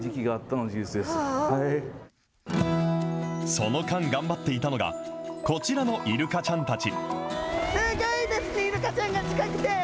その間頑張っていたのが、こちらのイルカちゃんたち。